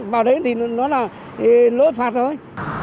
vào đấy thì nó là lỗi vi phạm thôi